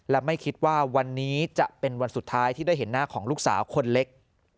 และไม่คิดว่าวันนี้จะเป็นวันสุดท้ายที่ได้เห็นหน้าของลูกสาวคนเล็ก